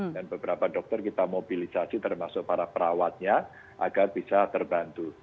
dan beberapa dokter kita mobilisasi termasuk para perawatnya agar bisa terbantu